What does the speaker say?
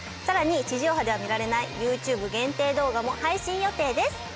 さらに地上波では見られないＹｏｕＴｕｂｅ限定動画も配信予定です。